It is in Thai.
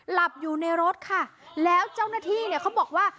หลับอยู่ในรถค่ะแล้วเจ้าหน้าที่เนี่ยเขาบอกว่า